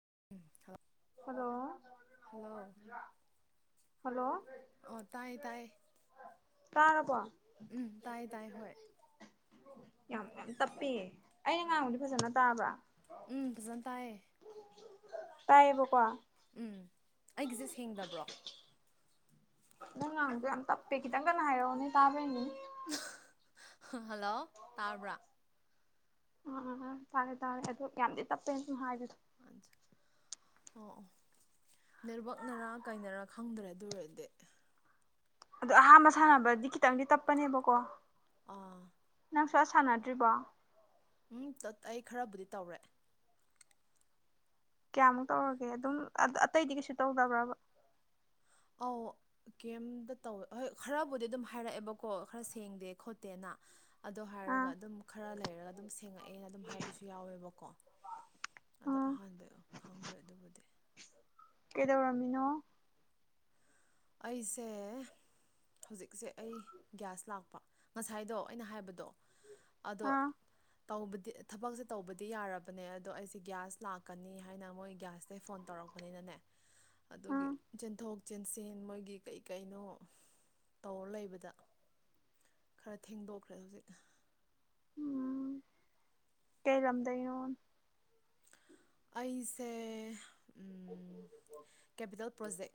[inaudible] hello hello ꯑꯧ ꯇꯥꯏꯌꯦ ꯇꯥꯏꯌꯦ ꯇꯥꯔꯕꯣ ꯇꯥꯏ ꯍꯣꯏ ꯌꯥꯝ ꯌꯥꯝ ꯇꯞꯄꯤ ꯑꯩꯅ ꯉꯥꯡꯕꯗꯤ ꯐꯖꯅ ꯇꯥꯕ꯭ꯔꯥ ꯎꯝ ꯐꯥꯖ ꯇꯥꯏꯌꯦ ꯇꯥꯏꯌꯦꯕ ꯀꯣ ꯎꯝ ꯑꯩꯒꯤꯁꯦ ꯁꯦꯡꯗꯕ꯭ꯔꯣ ꯅꯪ ꯉꯥꯡꯕꯁꯤ ꯌꯥꯝ ꯇꯞꯄꯦ ꯀꯈꯤꯇꯪ ꯀꯟꯅꯥ ꯍꯥꯏꯔꯛ ꯑꯣꯅꯦ ꯇꯥꯕ꯭ꯔꯌꯦꯡꯒꯦꯅꯦ ꯍꯜꯂꯣ ꯇꯥꯔꯕ꯭ꯔꯥ ꯎꯝ ꯇꯥꯔꯦ ꯇꯥꯔꯦ ꯑꯗꯨ ꯌꯥꯝꯗꯤ ꯇꯞꯄꯦꯅ ꯁꯝ ꯍꯥꯏꯗꯤ ꯑꯁꯨ ꯑꯣ ꯅꯦꯠꯋꯥꯛꯅꯔꯥ ꯀꯥꯏꯅꯔꯥ ꯈꯪꯗ꯭ꯔꯦ ꯑꯗꯨ ꯑꯣꯏꯔꯗꯤ ꯑꯗꯣ ꯑꯍꯥꯟꯕ ꯁꯥꯟꯅꯕꯗꯤ ꯈꯤꯇꯪꯗꯤ ꯇꯞꯄꯅꯦꯕꯀꯣ ꯑꯥ ꯅꯪ ꯁꯨꯛꯁꯥꯟ ꯁꯥꯟꯅꯗ꯭ꯔꯤꯕꯣ ꯎꯝ ꯑꯩ ꯈꯔꯕꯨꯗꯤ ꯇꯧꯔꯦ ꯀꯌꯥꯃꯨꯛ ꯇꯧꯔꯒꯦ ꯑꯗꯨꯝ ꯑꯇꯩꯗꯤ ꯀꯩꯁꯨ ꯇꯧꯗꯕ꯭ꯔꯕ ꯑꯧ ꯀꯦꯝꯝꯇ ꯇꯧꯋꯦ ꯍꯣꯏ ꯈꯔꯕꯨꯗꯤ ꯑꯗꯨꯝ ꯍꯥꯏꯔꯛꯑꯦꯕꯀꯣ ꯈꯔ ꯁꯦꯡꯗꯦ ꯈꯣꯠꯇꯦꯅ ꯑꯗꯣ ꯑꯥ ꯍꯥꯏꯔꯒ ꯑꯗꯨꯝ ꯈꯔ ꯂꯩꯔꯒ ꯑꯗꯨꯝ ꯁꯦꯡꯉꯛꯑꯦꯅ ꯑꯗꯨꯝ ꯍꯥꯏꯕꯁꯨ ꯌꯥꯎꯋꯦꯕꯀꯣ ꯑꯗꯣ ꯑꯥ ꯑꯍꯥꯟꯕ ꯈꯪꯗꯣꯏ ꯑꯗꯨꯕꯨꯗꯤ ꯀꯩꯗꯧꯔꯝꯂꯤꯅꯣ ꯑꯩꯁꯦ ꯍꯧꯖꯤꯛꯁꯦ ꯑꯩ ꯒ꯭ꯌꯥꯁ ꯂꯥꯛꯄ ꯉꯁꯥꯏꯗꯣ ꯑꯩꯅ ꯍꯥꯏꯕꯗꯣ ꯑꯗꯣ ꯑꯥ ꯇꯧꯕꯗꯤ ꯊꯕꯛꯁꯦ ꯇꯧꯕꯗꯤ ꯌꯥꯔꯕꯅꯦ ꯑꯗꯣ ꯑꯩꯁꯦ ꯒ꯭ꯌꯥꯁ ꯂꯥꯛꯀꯅꯤ ꯍꯥꯏꯅ ꯃꯣꯏ ꯒ꯭ꯌꯥꯁꯇꯩ ꯐꯣꯟ ꯇꯧꯔꯛꯄ ꯇꯨꯕꯅꯤꯅꯅꯦ ꯑꯗꯨꯒꯤ ꯑꯥ ꯆꯦꯟꯊꯣꯛ ꯆꯦꯟꯁꯤꯟ ꯆꯦꯟ ꯃꯣꯏꯒꯤ ꯀꯩ ꯀꯩꯅꯣ ꯇꯧꯔ ꯂꯩꯕꯗ ꯈꯔ ꯊꯦꯡꯗꯣꯛꯈ꯭ꯔꯦ ꯍꯧꯖꯤꯛ ꯎꯝ ꯀꯩ ꯂꯝꯗꯩꯅꯣ ꯑꯩꯁꯦ ꯀꯦꯄꯤꯇꯦꯜ ꯄ꯭ꯔꯣꯖꯦꯛ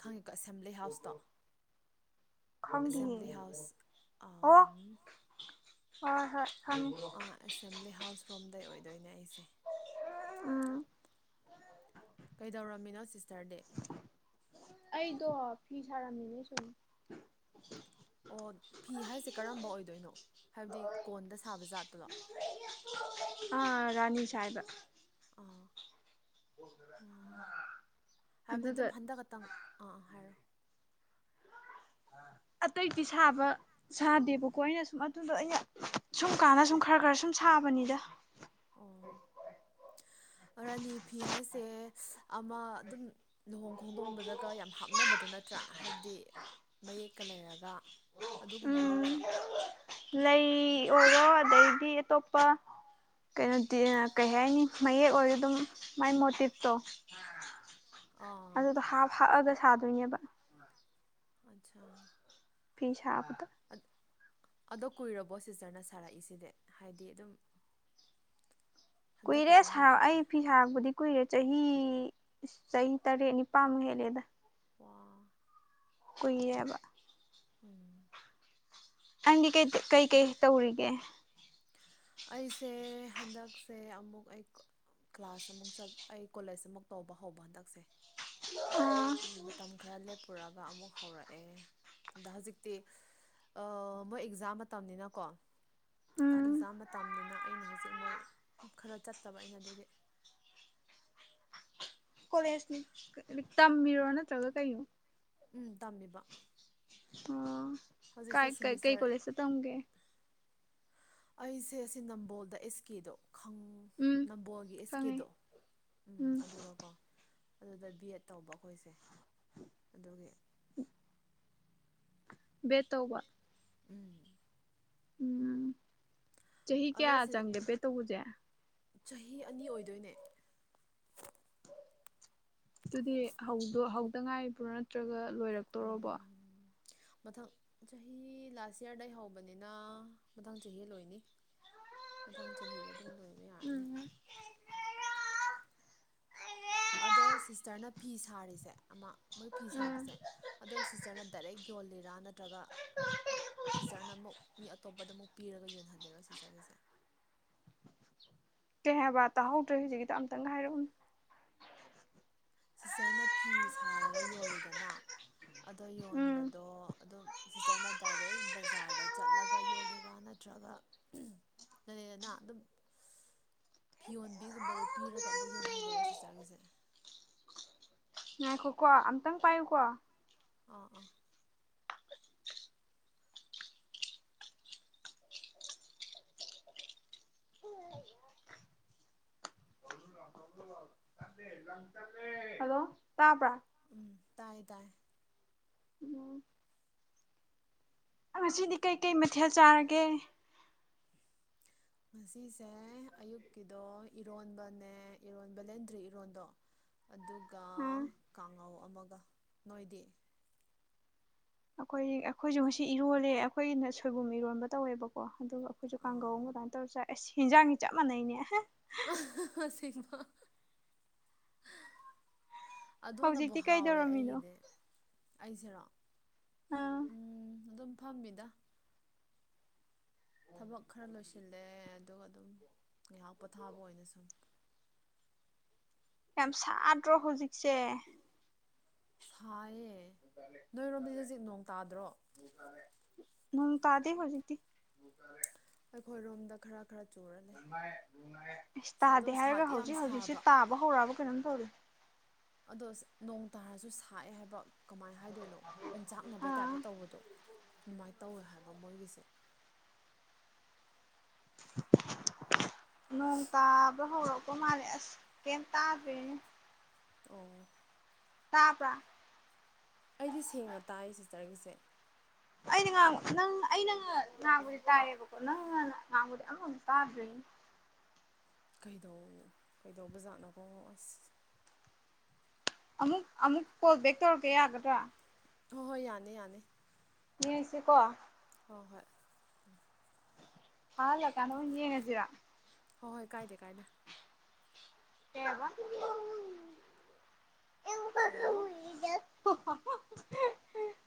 ꯈꯪꯉꯤꯀꯣ ꯑꯦꯁꯦꯝꯕ꯭ꯂꯤ ꯍꯥꯎꯁꯇꯣ ꯈꯪꯗꯤꯌꯦ ꯑꯦꯁꯦꯝꯕ꯭ꯂꯤ ꯍꯥꯎꯁ ꯑꯣ ꯍꯣꯏ ꯍꯣꯏ ꯈꯪꯉꯦ ꯑꯥ ꯑꯦꯁꯦꯝꯕ꯭ꯂꯤ ꯍꯥꯎꯁ ꯔꯣꯝꯗꯩ ꯑꯣꯏꯗꯣꯏꯅꯦ ꯑꯩꯁꯦ ꯎꯝ ꯀꯩꯗꯧꯔꯝꯃꯤꯅꯣ ꯁꯤꯁꯇꯔꯗꯤ ꯑꯩꯗꯣ ꯐꯤ ꯁꯥꯔꯝꯃꯤꯅꯦ ꯁꯨꯝ ꯑꯣ ꯐꯤ ꯍꯥꯏꯁꯦ ꯀꯔꯝꯕ ꯑꯣꯏꯗꯣꯏꯅꯣ ꯍꯥꯏꯕꯗꯤ ꯀꯣꯟꯗ ꯁꯥꯕ ꯖꯥꯠꯇꯨꯔꯣ ꯑꯥ ꯔꯥꯅꯤ ꯁꯥꯏꯕ ꯑꯥ ꯑꯣ ꯍꯥꯏꯕꯗꯤ ꯑꯗꯨꯝ ꯑꯗꯨꯗ ꯍꯟꯗꯛ ꯈꯛꯇꯪ ꯑꯥ ꯍꯥꯏꯔꯛꯑꯣ ꯑꯥ ꯑꯇꯩꯗꯤ ꯁꯥꯕ ꯁꯥꯗꯦꯕꯀꯣ ꯑꯩꯅ ꯁꯨꯝ ꯑꯗꯨꯗꯣ ꯑꯩꯅ ꯁꯨꯝ ꯀꯥꯟꯗ ꯁꯨꯝ ꯈꯔ ꯈꯔ ꯁꯨꯝ ꯁꯥ ꯁꯥꯕꯅꯤꯗ ꯑꯣ ꯔꯥꯅꯤ ꯐꯤ ꯍꯥꯏꯁꯦ ꯑꯃ ꯑꯗꯨꯝ ꯂꯨꯍꯣꯡ ꯈꯣꯡꯗꯣꯡꯕꯗꯒ ꯌꯥꯝ ꯍꯥꯞꯅꯕꯗ ꯅꯠꯇ꯭ꯔꯥ ꯍꯥꯏꯕꯗꯤ ꯃꯌꯦꯛꯀ ꯂꯩꯔꯒ ꯑꯗꯨꯒꯨꯝꯕ ꯎꯝ ꯅꯠꯇ꯭ꯔꯣ ꯂꯩ ꯑꯣꯏꯔꯣ ꯑꯗꯩꯗꯤ ꯑꯇꯣꯞꯄ ꯀꯩꯅꯣꯗꯤ ꯀꯩ ꯍꯥꯏꯅꯤ ꯃꯌꯦꯛ ꯑꯣꯏꯔ ꯑꯗꯨꯝ ꯃꯥꯏ ꯃꯣꯇꯤꯞꯇꯣ ꯑꯥ ꯑꯗꯨꯗꯣ ꯍꯥꯞ ꯍꯛꯑꯒ ꯁꯥꯗꯣꯏꯅꯦꯕ ꯑꯆꯥ ꯐꯤ ꯁꯥꯥꯕ ꯑꯗ ꯑꯗꯣ ꯀꯨꯏꯔꯕꯣ ꯁꯤꯁꯇꯔꯅ ꯁꯥꯔꯛꯏꯁꯤꯗꯤ ꯍꯥꯏꯗꯤ ꯑꯗꯨꯝ ꯍꯟꯗꯛ ꯀꯨꯏꯔꯦ ꯈꯛꯇꯪ ꯁꯥ ꯅꯠꯇ꯭ꯔꯒ ꯑꯩ ꯐꯤ ꯁꯥꯔꯛꯄꯗꯤ ꯀꯨꯏꯔꯦ ꯆꯍꯤ ꯆꯍꯤ ꯇꯔꯦꯠ ꯅꯤꯄꯥꯥꯟꯃꯨꯛ ꯍꯦꯜꯂꯦꯗ ꯋꯥ ꯀꯨꯏꯔꯦꯕ ꯎꯝ ꯅꯪꯗꯤ ꯀꯩ ꯀꯩ ꯀꯩ ꯇꯧꯔꯤꯒꯦ ꯑꯩꯁꯦ ꯍꯟꯗꯛꯁꯦ ꯑꯃꯨꯛ ꯑꯩ ꯀ꯭ꯂꯥꯁ ꯑꯃꯨꯛ ꯑꯩ ꯀꯣꯂꯦꯖ ꯑꯃꯨꯛ ꯇꯧꯕ ꯍꯧꯕ ꯍꯟꯗꯛꯁꯦ ꯑꯥ ꯎꯝ ꯃꯇꯝ ꯈꯔ ꯂꯦꯞꯄꯨꯔꯒ ꯑꯃꯨꯛ ꯍꯧꯔꯛꯑꯦ ꯑꯗ ꯍꯧꯖꯤꯛꯇꯤ ꯑꯥ ꯃꯣꯏ ꯑꯦꯛꯖꯥꯝ ꯃꯇꯝꯅꯤꯅ ꯀꯣ ꯑꯥ ꯎꯝ ꯑꯦꯛꯖꯥꯝ ꯃ ꯇꯝꯅꯤꯅ ꯑꯩꯅ ꯍꯧꯖꯤꯛ ꯃꯣꯏ ꯈꯔ ꯆꯠꯇꯕ ꯑꯩꯅ ꯑꯗꯨꯒꯤ ꯀꯣꯂꯦꯖꯇꯤ ꯇꯝꯃꯤꯔꯣ ꯅꯠꯇ꯭ꯔꯒ ꯀꯩꯅꯣ ꯎꯝ ꯇꯝꯃꯤꯕ ꯑꯣ ꯀꯥꯏ ꯍꯧꯖꯤꯛꯁꯦ ꯀꯩ ꯀꯩ ꯁꯤꯃꯤꯁꯇꯔ ꯀꯣꯂꯦꯖꯇ ꯇꯝꯒꯦ ꯑꯩꯁꯦ ꯑꯁꯤ ꯅꯝꯕꯣꯜꯗ ꯑꯦꯁ ꯀꯦꯗꯣ ꯈꯪ ꯎꯝ ꯅꯝꯕꯣꯜꯒꯤ ꯑꯦꯁ ꯈꯪꯉꯦ ꯀꯦꯗꯣ ꯎꯝ ꯑꯗꯨꯗꯀꯣ ꯑꯗꯨꯗ ꯕꯤ ꯑꯦꯗ ꯇꯧꯕ ꯑꯩꯈꯣꯏꯁꯦ ꯑꯗꯨꯒꯤ [inaudible] ꯕꯦꯗ ꯇꯧꯕ ꯎꯝ ꯎꯝ ꯆꯍꯤ ꯑꯗꯣ ꯀꯌꯥ ꯁꯤ ꯆꯪꯒꯦ ꯕꯦꯗ ꯇꯧꯕꯖꯦ ꯆꯍꯤ ꯑꯅꯤ ꯑꯣꯏꯗꯣꯏꯅꯦ ꯑꯗꯨꯗꯤ ꯍꯧꯗꯣ ꯍꯧꯗ ꯉꯥꯏꯔꯤꯕ꯭ꯔꯣ ꯅꯠꯇ꯭ꯔꯒ ꯂꯣꯏꯔꯛꯇꯣꯔꯕꯣ ꯎꯝ ꯃꯊꯪ ꯆꯍꯤ ꯂꯥꯁ ꯌꯥꯔꯗꯩ ꯍꯧꯕꯅꯦꯅꯥ ꯃꯊꯪ ꯆꯍꯤꯗ ꯂꯣꯏꯅꯤ [unintelligible] ꯃꯊꯪ ꯆꯍꯤꯗ ꯑꯗꯨꯝ ꯂꯣꯏꯕ ꯌꯥꯔꯅꯤ ꯎꯝ ꯑꯗꯣ ꯁꯤꯁꯇꯔꯅ ꯐꯤ ꯁꯥꯔꯤꯁꯦ ꯑꯃ ꯃꯣꯏ ꯐꯤ ꯎꯝ ꯁꯥꯕꯁꯦ ꯑꯗꯨꯝ ꯁꯤꯁꯇꯔꯅ ꯗꯥꯏꯔꯦꯛ ꯌꯣꯜꯂꯤꯔꯥ ꯅꯠꯇ꯭ꯔꯒ ꯁꯤꯁꯇꯔꯅ ꯑꯃꯨꯛ ꯃꯤ ꯑꯇꯣꯞꯄꯗ ꯃꯨꯛ ꯄꯤꯔꯒ ꯌꯣꯟꯍꯟꯂꯤꯔꯣ ꯁꯤꯁꯇꯔꯒꯤꯁꯦ ꯀꯩ ꯍꯥꯏꯕ ꯇꯥꯍꯧꯗ꯭ꯔꯦ ꯍꯧꯖꯤꯛꯀꯤꯗꯣ ꯑꯝꯇꯪꯒ ꯍꯥꯏꯔꯛꯎꯅꯦ ꯁꯤꯁꯇꯔꯅ ꯐꯤ ꯁꯥꯔꯒ ꯌꯣꯜꯂꯤꯗꯅꯥ ꯑꯗꯣ ꯎꯝ ꯌꯣꯟꯕꯗꯣ ꯑꯗꯨꯝ ꯁꯤꯁꯇꯔꯅ ꯗꯥꯏꯔꯦꯛ ꯕꯖꯥꯔꯗ ꯆꯠꯂꯒ ꯌꯣꯜꯂꯤꯔꯥ ꯅꯠꯇ꯭ꯔꯒ ꯂꯩꯔꯑꯦꯅꯥ ꯑꯗꯨꯝ ꯐꯤ ꯌꯣꯟꯕꯤꯒꯨꯝꯕꯗ ꯄꯤꯔꯒ ꯑꯃꯨꯛ ꯌꯣꯟꯍꯜꯂꯤꯔꯣ ꯁꯤꯁꯇꯔꯒꯤꯁꯦ ꯉꯥꯏꯈꯣꯀꯣ ꯑꯝꯇꯪ ꯄꯥꯏꯌꯨꯀꯣ ꯑꯥ ꯑꯥ ꯇꯥꯕ꯭ꯔ ꯎꯝ ꯇꯥꯏꯌꯦ ꯇꯥꯏꯌꯦ ꯎꯝ ꯉꯁꯤꯗꯤ ꯀꯩꯀꯩ ꯃꯊꯦꯜ ꯆꯥꯔꯒꯦ ꯉꯁꯤꯁꯦ ꯑꯌꯨꯛꯀꯤꯗꯣ ꯏꯔꯣꯟꯕꯅꯦ ꯏꯔꯣꯟꯕ ꯕꯦꯂꯦꯟꯗ꯭ꯔꯤ ꯏꯔꯣꯟꯗꯣ ꯑꯗꯨꯒ ꯎꯝ ꯀꯥꯡꯉꯧ ꯑꯃꯒ ꯅꯣꯏꯗꯤ [inaudible] ꯑꯈꯣꯏ ꯑꯈꯣꯏꯖꯨ ꯉꯁꯤ ꯏꯔꯣꯜꯂꯦ ꯑꯈꯣꯏꯒꯤꯅꯥ ꯁꯣꯏꯕꯨꯝ ꯏꯔꯣꯟꯕ ꯇꯧꯋꯦꯕꯀꯣ ꯑꯗꯨꯒ ꯑꯈꯣꯏꯖꯨ ꯀꯥꯡꯒꯧ ꯑꯥ ꯑꯃ ꯑꯗꯨꯃꯥꯏꯅ ꯇꯧꯔ ꯆꯥꯏ ꯑꯁ ꯍꯦꯟꯖꯥꯡꯗꯤ ꯆꯞ ꯃꯥꯟꯅꯩꯅꯦ ꯑꯦꯍꯦ ꯑꯍ ꯍ ꯍ ꯁꯦꯡꯕꯥ ꯑꯗꯨꯅꯕꯨ ꯍꯧꯖꯤꯛꯇꯤ ꯍꯥꯎꯋꯦ ꯀꯩꯗꯧꯔꯝꯃꯤꯅꯣ ꯑꯩꯒꯤꯗꯤ ꯑꯩꯁꯦꯔꯣ ꯑꯥ ꯐꯝꯃꯤꯗꯥ ꯊꯕꯛ ꯈꯔ ꯂꯣꯏꯁꯤꯜꯂꯦ ꯑꯗꯨꯒ ꯑꯗꯨꯝ ꯉꯥꯏꯍꯥꯛ ꯄꯣꯊꯥꯕ ꯑꯣꯏꯅ ꯁꯨꯝ ꯌꯥꯝ ꯁꯥꯗ꯭ꯔꯣ ꯍꯧꯖꯤꯛꯁꯦ ꯁꯥꯏꯌꯦ ꯅꯣꯏꯔꯣꯝꯗꯗꯤ ꯖꯤꯛ ꯅꯣꯡ ꯇꯥꯗ꯭ꯔꯣ ꯅꯣꯡ ꯇꯥꯗꯦ ꯍꯧꯖꯤꯛꯇꯤ ꯈꯣꯏꯔꯣꯝꯗ ꯈꯔ ꯈꯔ ꯆꯨꯔ ꯂꯩ ꯑꯁ ꯑꯗꯣ ꯇꯥꯗꯦ ꯍꯥꯏꯔꯒ ꯁꯥꯗꯤ ꯌꯥꯝ ꯍꯧꯖꯤꯛ ꯁꯥꯕ ꯍꯧꯖꯤꯛꯁꯤ ꯇꯥꯕ ꯍꯧꯔꯛꯑꯕ ꯀꯅꯣꯝ ꯇꯧꯔꯦ ꯑꯗꯣ ꯅꯣꯡ ꯇꯥꯔꯖꯨ ꯁꯥꯏꯑꯦ ꯍꯥꯏꯕ ꯀꯃꯥꯏ ꯍꯥꯏꯗꯣꯏꯅꯣ ꯑꯣꯝꯆꯥꯛꯅꯕꯩ ꯑꯥ ꯇꯥꯏꯞꯇ ꯇꯧꯕꯗꯣ ꯑꯗꯨꯃꯥꯏ ꯇꯧꯋꯦ ꯍꯥꯏꯕ ꯃꯣꯏꯒꯤꯁꯦ [inaudible] ꯅꯣꯡ ꯇꯥꯕ ꯍꯧꯔꯛꯄ ꯃꯥꯜꯂꯦ ꯑꯁ ꯀꯩꯝ ꯇꯥꯗ꯭ꯔꯦꯅꯦ ꯑꯣ ꯇꯥꯕ꯭ꯔꯥ ꯑꯩꯗꯤ ꯁꯦꯡꯅ ꯇꯥꯏꯌꯦ ꯁꯤꯁꯇꯔꯒꯤꯁꯦ ꯑꯩꯅ ꯉꯥꯡꯕ ꯅꯪ ꯑꯩꯅ ꯉꯥ ꯉꯥꯡꯕꯗꯤ ꯇꯥꯏꯌꯦꯕꯀꯣ ꯅꯪꯅ ꯉꯥꯡꯕꯗꯤ ꯑꯃꯕꯥꯎ ꯇꯥꯗ꯭ꯔꯦꯅꯦ ꯀꯩꯗꯧ ꯀꯩꯗꯧꯕꯖꯥꯠꯅꯣꯀꯣ ꯑꯁ ꯑꯃꯨꯛ ꯑꯃꯨꯛ ꯀꯣꯜ ꯕꯦꯛ ꯇꯧꯔꯛꯀꯦ ꯌꯥꯒꯗ꯭ꯔꯥ ꯍꯣꯏ ꯍꯣꯏ ꯌꯥꯅꯤ ꯌꯥꯅꯤ ꯌꯦꯡꯁꯦ ꯀꯣ ꯍꯣꯏ ꯍꯣꯏ ꯎꯝ ꯊꯥꯍꯜꯂꯛ ꯑꯀꯥꯟꯗ ꯑꯣꯏꯅ ꯌꯦꯡꯃꯁꯤꯔ ꯍꯣ ꯍꯣꯏ ꯀꯥꯏꯗꯦ ꯀꯥꯏꯗ ꯀꯩꯑꯕ ꯍꯜꯂꯣ ꯍꯥ ꯍꯥ ꯍꯥ [inaudible]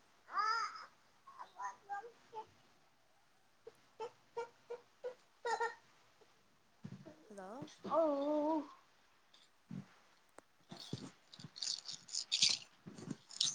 ꯍꯜꯂꯣ ꯑꯣꯑꯣ [inaudible]